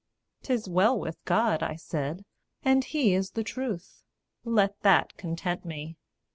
"'Tis well with God," I said, "and he is the truth; Let that content me."